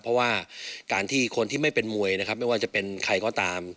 เพราะว่าการที่คนที่ไม่เป็นมวยนะครับไม่ว่าจะเป็นใครก็ตาม